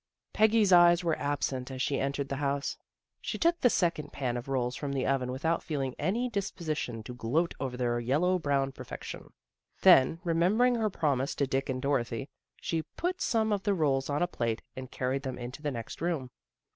Peggy's eyes were absent as she entered the house. She took the second pan of rolls from the oven without feeling any disposition to gloat over their yellow brown perfection. Then, remembering her promise to Dick and Dorothy, she put some of the rolls on a plate and carried them into the next room.